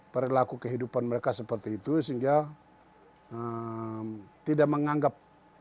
perilaku kehidupan mereka seperti itu sehingga tidak menganggap